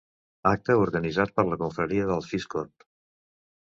Acte organitzat per la confraria del Fiscorn.